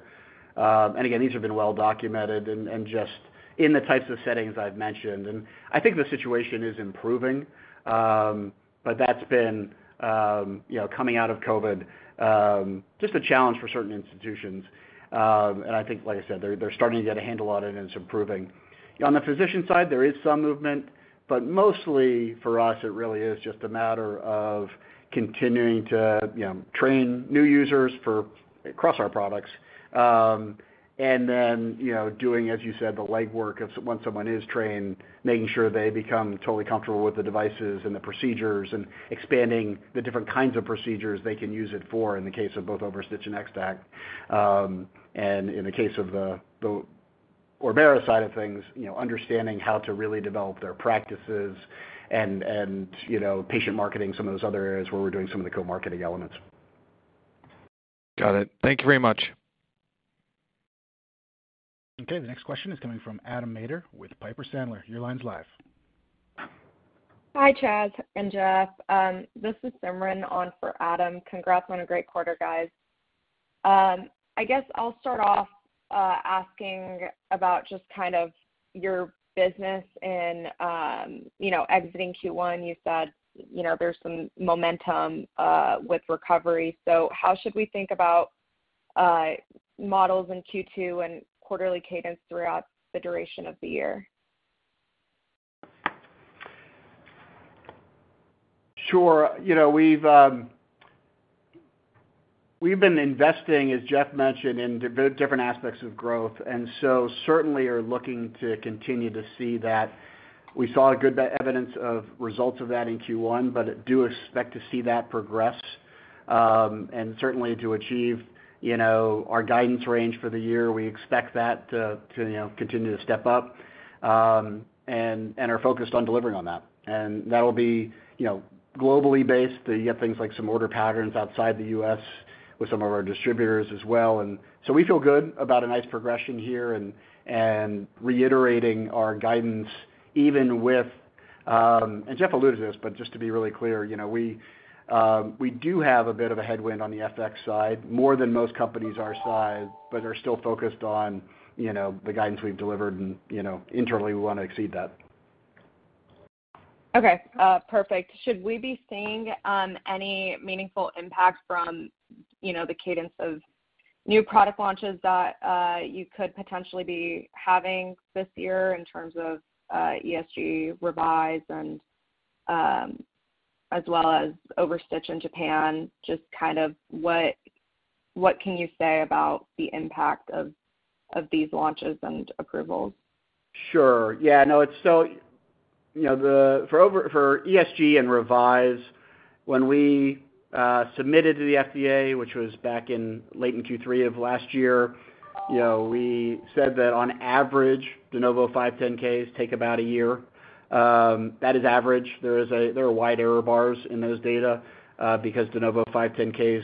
Again, these have been well documented and just in the types of settings I've mentioned. I think the situation is improving, but that's been, you know, coming out of COVID, just a challenge for certain institutions. I think, like I said, they're starting to get a handle on it, and it's improving. On the physician side, there is some movement, but mostly for us it really is just a matter of continuing to, you know, train new users across our products. You know, doing as you said, the legwork when someone is trained, making sure they become totally comfortable with the devices and the procedures, and expanding the different kinds of procedures they can use it for in the case of both OverStitch and X-Tack. You know, in the case of the ORBERA side of things, understanding how to really develop their practices and you know, patient marketing, some of those other areas where we're doing some of the co-marketing elements. Got it. Thank you very much. Okay. The next question is coming from Adam Maeder with Piper Sandler. Your line's live. Hi, Chas and Jeff. This is Simran on for Adam. Congrats on a great quarter, guys. I guess I'll start off asking about just kind of your business and, you know, exiting Q1, you said, you know, there's some momentum with recovery. How should we think about models in Q2 and quarterly cadence throughout the duration of the year? Sure. You know, we've been investing, as Jeff mentioned, in different aspects of growth, and so certainly are looking to continue to see that. We saw good evidence of results of that in Q1, but do expect to see that progress. Certainly to achieve, you know, our guidance range for the year, we expect that to you know, continue to step up, and are focused on delivering on that. That'll be, you know, globally based. You have things like some order patterns outside the U.S. with some of our distributors as well. We feel good about a nice progression here and reiterating our guidance even with. Jeff alluded to this, but just to be really clear, you know, we do have a bit of a headwind on the FX side, more than most companies our size, but are still focused on, you know, the guidance we've delivered, and, you know, internally we wanna exceed that. Okay. Perfect. Should we be seeing any meaningful impact from, you know, the cadence of new product launches that you could potentially be having this year in terms of ESG, REVISE, and as well as OverStitch in Japan? Just kind of what can you say about the impact of these launches and approvals? Sure. Yeah, no, it's so. You know, for ESG and REVISE, when we submitted to the FDA, which was back in late Q3 of last year, you know, we said that on average, De Novo 510(k)s take about a year. That is average. There are wide error bars in those data, because De Novo 510(k)s,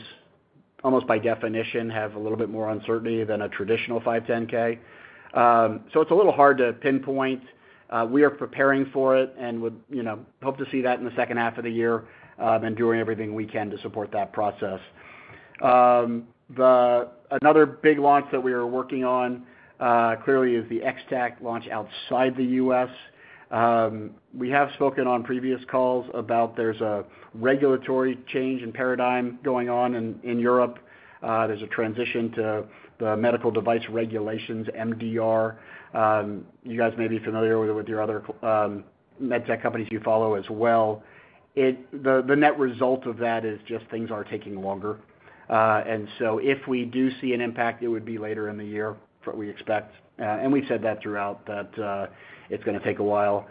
almost by definition, have a little bit more uncertainty than a traditional 510(k). So it's a little hard to pinpoint. We are preparing for it and would, you know, hope to see that in the second half of the year, and doing everything we can to support that process. Another big launch that we are working on, clearly is the X-Tack launch outside the US. We have spoken on previous calls about there's a regulatory change in paradigm going on in Europe. There's a transition to the medical device regulations, MDR. You guys may be familiar with it with your other med tech companies you follow as well. The net result of that is just things are taking longer. If we do see an impact, it would be later in the year, what we expect. We said that throughout, that it's gonna take a while.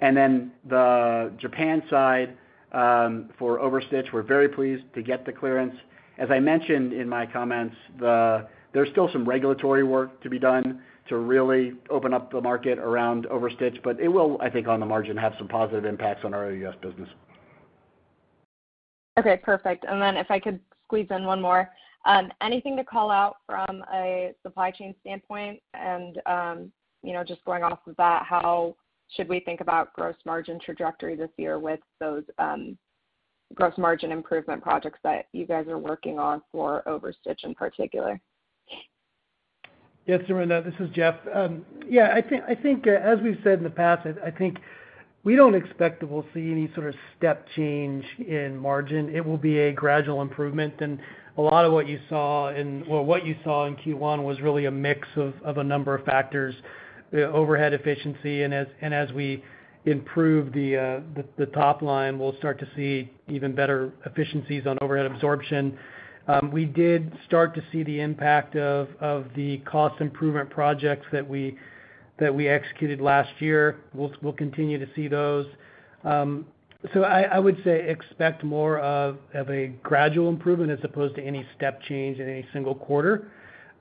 Then the Japan side, for OverStitch, we're very pleased to get the clearance. As I mentioned in my comments, there's still some regulatory work to be done to really open up the market around OverStitch, but it will, I think, on the margin, have some positive impacts on our U.S. business. Okay, perfect. If I could squeeze in one more. Anything to call out from a supply chain standpoint? You know, just going off of that, how should we think about gross margin trajectory this year with those gross margin improvement projects that you guys are working on for OverStitch in particular? Yes, Simran, this is Jeff. Yeah, I think as we've said in the past, I think we don't expect that we'll see any sort of step change in margin. It will be a gradual improvement. A lot of what you saw in Q1 was really a mix of a number of factors, the overhead efficiency. As we improve the top line, we'll start to see even better efficiencies on overhead absorption. We did start to see the impact of the cost improvement projects that we executed last year. We'll continue to see those. I would say expect more of a gradual improvement as opposed to any step change in any single quarter.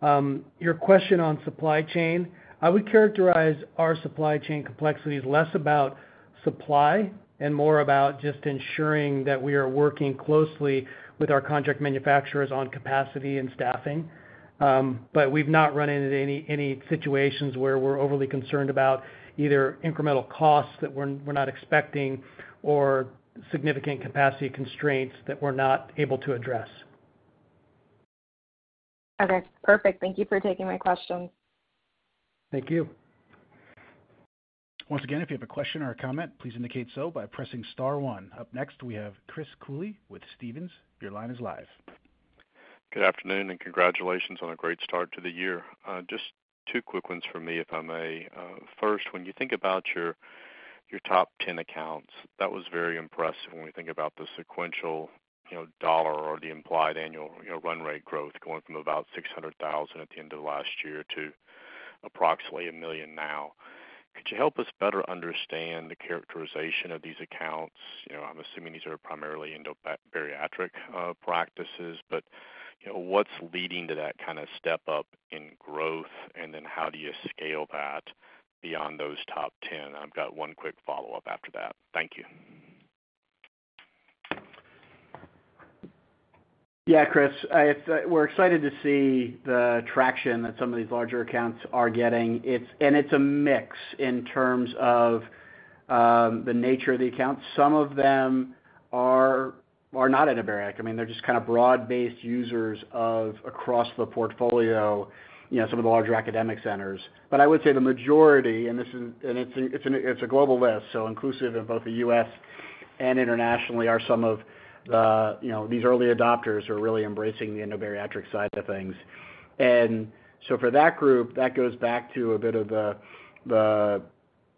Your question on supply chain, I would characterize our supply chain complexities less about supply and more about just ensuring that we are working closely with our contract manufacturers on capacity and staffing. We've not run into any situations where we're overly concerned about either incremental costs that we're not expecting or significant capacity constraints that we're not able to address. Okay. Perfect. Thank you for taking my questions. Thank you. Once again, if you have a question or a comment, please indicate so by pressing star one. Up next, we have Chris Cooley with Stephens. Your line is live. Good afternoon and congratulations on a great start to the year. Just two quick ones for me, if I may. First, when you think about your top 10 accounts, that was very impressive when we think about the sequential, you know, dollar or the implied annual, you know, run rate growth going from about $600,000 at the end of last year to approximately $1 million now. Could you help us better understand the characterization of these accounts? You know, I'm assuming these are primarily endobariatric practices, but, you know, what's leading to that kinda step up in growth, and then how do you scale that beyond those top 10? I've got one quick follow-up after that. Thank you. Yeah, Chris. We're excited to see the traction that some of these larger accounts are getting. It's a mix in terms of the nature of the accounts. Some of them are not endobariatric. I mean, they're just kind of broad-based users across the portfolio, you know, some of the larger academic centers. But I would say the majority, and this is a global list, so inclusive of both the U.S. and internationally are some of the, you know, these early adopters who are really embracing the endobariatric side of things. For that group, that goes back to a bit of the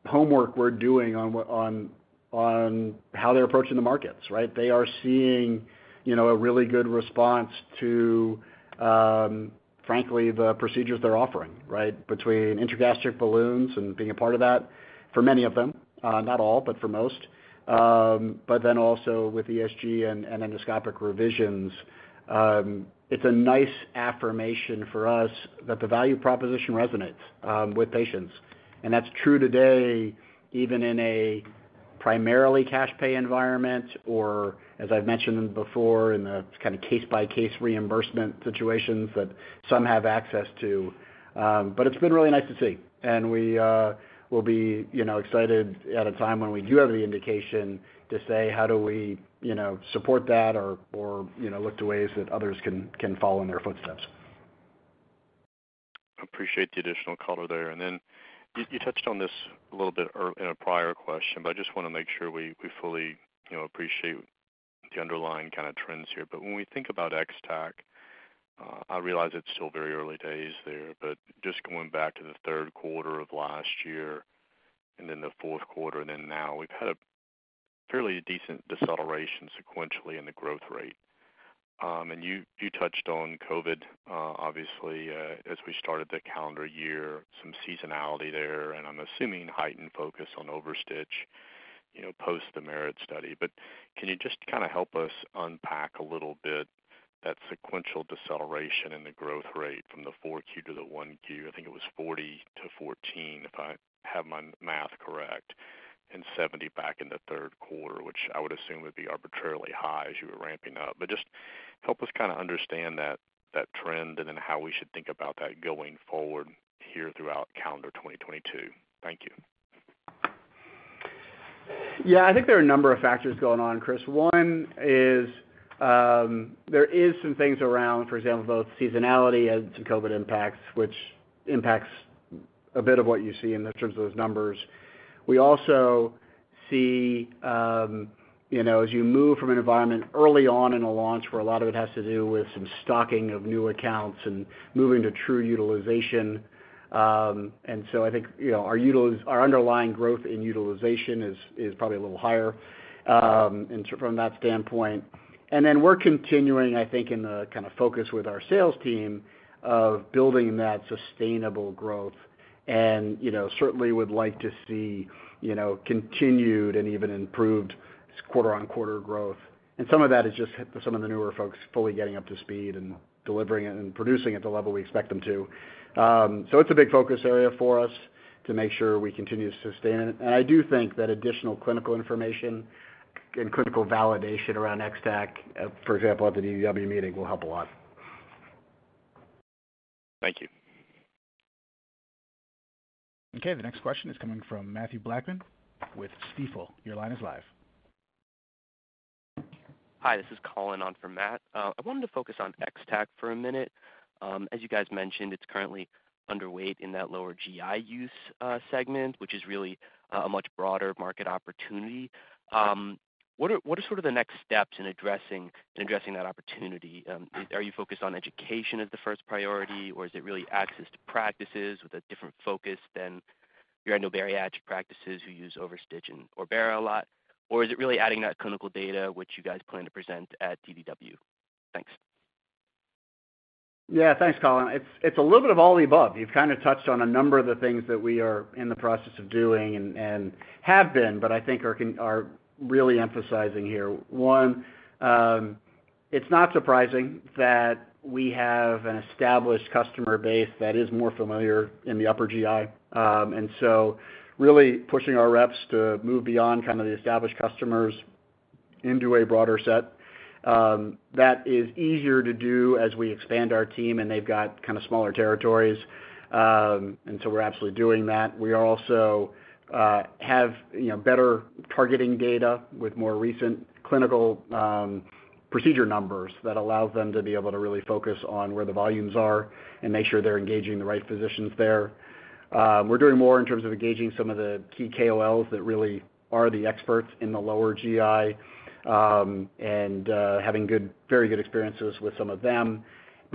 homework we're doing on how they're approaching the markets, right? They are seeing, you know, a really good response to, frankly, the procedures they're offering, right? Between Intragastric Balloons and being a part of that for many of them, not all, but for most. Then also with ESG and endoscopic revisions, it's a nice affirmation for us that the value proposition resonates with patients. That's true today, even in a primarily cash pay environment, or as I've mentioned before in the kind of case-by-case reimbursement situations that some have access to. It's been really nice to see. We will be, you know, excited at a time when we do have the indication to say, how do we, you know, support that or, you know, look to ways that others can follow in their footsteps. Appreciate the additional color there. Then you touched on this a little bit in a prior question, but I just wanna make sure we fully, you know, appreciate the underlying kind of trends here. When we think about X-Tack, I realize it's still very early days there, but just going back to the third quarter of last year and then the fourth quarter, and then now we've had a fairly decent deceleration sequentially in the growth rate. You touched on COVID obviously as we started the calendar year, some seasonality there, and I'm assuming heightened focus on OverStitch, you know, post the MERIT study. Can you just kinda help us unpack a little bit that sequential deceleration in the growth rate from Q4 to Q1? I think it was 40-14, if I have my math correct, and 70 back in the third quarter, which I would assume would be arbitrarily high as you were ramping up. Just help us kinda understand that trend and then how we should think about that going forward here throughout calendar 2022. Thank you. Yeah. I think there are a number of factors going on, Chris. One is, there is some things around, for example, both seasonality and some COVID impacts, which impacts a bit of what you see in terms of those numbers. We also see, you know, as you move from an environment early on in a launch where a lot of it has to do with some stocking of new accounts and moving to true utilization. I think, you know, our underlying growth in utilization is probably a little higher, and so from that standpoint. Then we're continuing, I think, in the kind of focus with our sales team of building that sustainable growth and, you know, certainly would like to see, you know, continued and even improved quarter-over-quarter growth. Some of that is just some of the newer folks fully getting up to speed and delivering it and producing at the level we expect them to. It's a big focus area for us to make sure we continue to sustain it. I do think that additional clinical information and clinical validation around X-Tack, for example, at the DDW meeting, will help a lot. Thank you. Okay. The next question is coming from Matthew Blackman with Stifel. Your line is live. Hi, this is Colin on for Matt. I wanted to focus on X-Tack for a minute. As you guys mentioned, it's currently underweight in that lower GI use segment, which is really a much broader market opportunity. What are sort of the next steps in addressing that opportunity? Are you focused on education as the first priority, or is it really access to practices with a different focus than your endobariatric practices who use OverStitch and ORBERA a lot? Or is it really adding that clinical data which you guys plan to present at DDW? Thanks. Yeah. Thanks, Colin. It's a little bit of all the above. You've kind of touched on a number of the things that we are in the process of doing and have been, but I think are really emphasizing here. One, it's not surprising that we have an established customer base that is more familiar in the upper GI. Really pushing our reps to move beyond kind of the established customers into a broader set, that is easier to do as we expand our team, and they've got kind of smaller territories. We're absolutely doing that. We also have, you know, better targeting data with more recent clinical procedure numbers that allows them to be able to really focus on where the volumes are and make sure they're engaging the right physicians there. We're doing more in terms of engaging some of the key KOLs that really are the experts in the lower GI, and having very good experiences with some of them.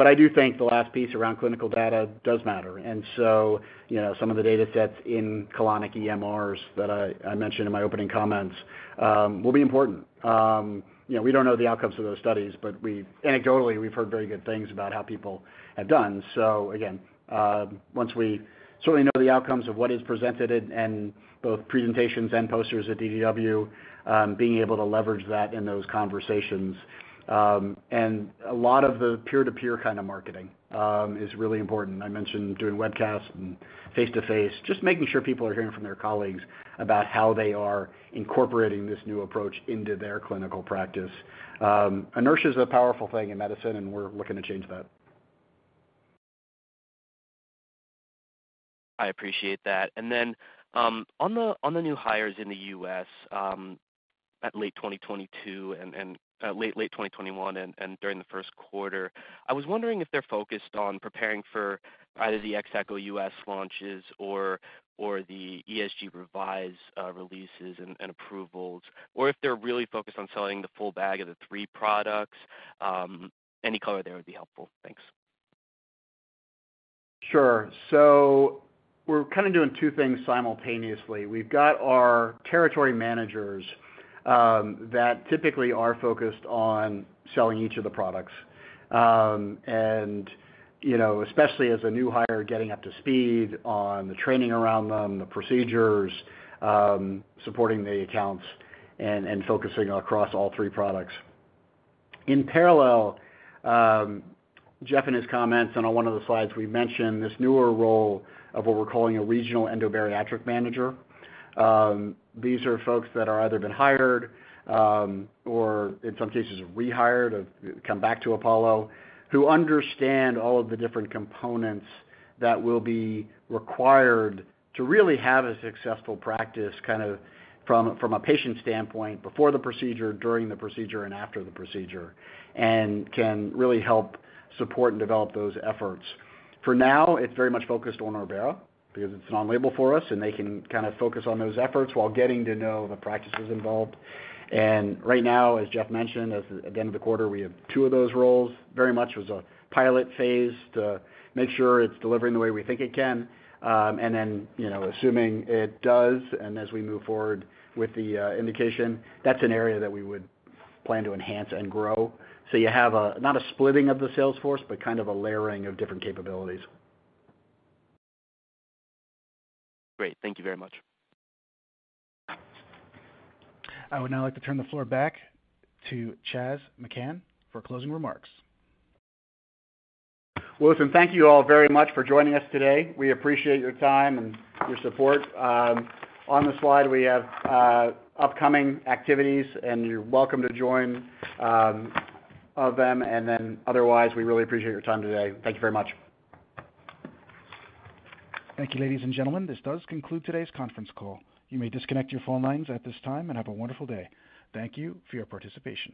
I do think the last piece around clinical data does matter. You know, some of the datasets in colonic EMRs that I mentioned in my opening comments will be important. You know, we don't know the outcomes of those studies, but we anecdotally, we've heard very good things about how people have done. Once we certainly know the outcomes of what is presented in both presentations and posters at DDW, being able to leverage that in those conversations. A lot of the peer-to-peer kind of marketing is really important. I mentioned doing webcasts and face-to-face, just making sure people are hearing from their colleagues about how they are incorporating this new approach into their clinical practice. Inertia is a powerful thing in medicine, and we're looking to change that. I appreciate that. On the new hires in the U.S., at late 2022 and late 2021 and during the first quarter, I was wondering if they're focused on preparing for either the OverStitch Sx US launches or the ESG REVISE releases and approvals, or if they're really focused on selling the full bag of the three products. Any color there would be helpful. Thanks. Sure. We're kinda doing two things simultaneously. We've got our territory managers that typically are focused on selling each of the products. You know, especially as a new hire, getting up to speed on the training around them, the procedures, supporting the accounts and focusing across all three products. In parallel, Jeff in his comments on one of the slides, we mentioned this newer role of what we're calling a regional endobariatric manager. These are folks that are either been hired or in some cases rehired or come back to Apollo, who understand all of the different components that will be required to really have a successful practice, kind of from a patient standpoint, before the procedure, during the procedure, and after the procedure, and can really help support and develop those efforts. For now, it's very much focused on ORBERA because it's off-label for us, and they can kinda focus on those efforts while getting to know the practices involved. Right now, as Jeff mentioned, as at the end of the quarter, we have two of those roles, very much as a pilot phase to make sure it's delivering the way we think it can. Then, you know, assuming it does, and as we move forward with the indication, that's an area that we would plan to enhance and grow. You have not a splitting of the sales force, but kind of a layering of different capabilities. Great. Thank you very much. I would now like to turn the floor back to Chas McKhann for closing remarks. Listen, thank you all very much for joining us today. We appreciate your time and your support. On the slide, we have upcoming activities, and you're welcome to join any of them. Otherwise, we really appreciate your time today. Thank you very much. Thank you, ladies and gentlemen. This does conclude today's conference call. You may disconnect your phone lines at this time and have a wonderful day. Thank you for your participation.